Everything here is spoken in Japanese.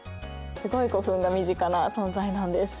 すごい古墳が身近な存在なんです。